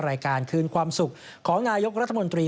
รายการคืนความสุขของนายกรัฐมนตรี